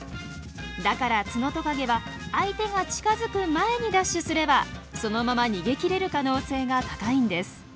だからツノトカゲは相手が近づく前にダッシュすればそのまま逃げきれる可能性が高いんです。